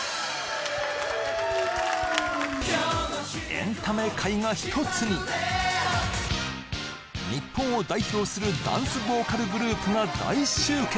エンタメ界が１つに日本を代表するダンスボーカルグループが大集結